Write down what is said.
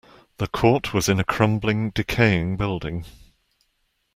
The court was in a crumbling, decaying building.